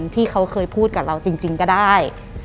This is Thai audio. ที่เขาเคยพูดกับเราจริงก็ได้